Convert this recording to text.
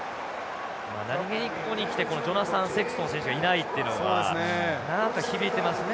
何気にここにきてジョナサンセクストン選手がいないっていうのが響いていますね。